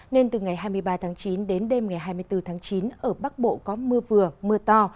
nên từ ngày hai mươi ba tháng chín đến đêm ngày hai mươi bốn tháng chín ở bắc bộ có mưa vừa mưa to